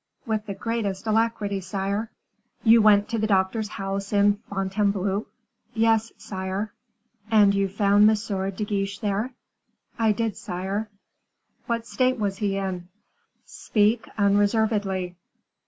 "With the greatest alacrity, sire." "You went to the doctor's house in Fontainebleau?" "Yes, sire." "And you found M. de Guiche there?" "I did, sire." "What state was he in? speak unreservedly."